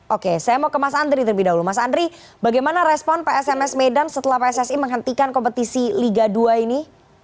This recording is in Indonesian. oke saya mau ke mas andri terlebih dahulu mas andri bagaimana respon psms medan setelah pssi menghentikan kompetisi liga dua ini